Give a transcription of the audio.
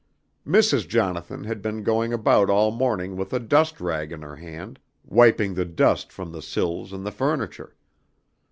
"Mrs. Jonathan had been going about all morning with a dust rag in her hand, wiping the dust from the sills and the furniture.